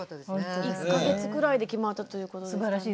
１か月ぐらいで決まったということで。